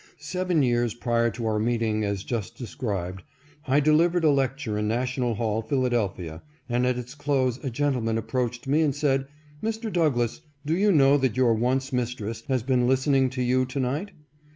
Seven years prior to our meeting, as just described, 1 delivered a lecture in National Hall, Philadelphia, and at its close a gentleman approached me and said, " Mr. Doug lass, do you know that your once mistress has been lis tening to you to night?"